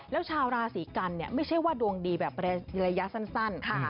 แล้วชาวราศีกันเนี่ยไม่ใช่ว่าดวงดีแบบระยะสั้น